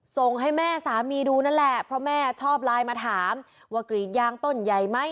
ส่งให้แม่สามีดูนั่นแหละเพราะแม่ชอบไลน์มาถามว่ากรีดยางต้นใหญ่ไหม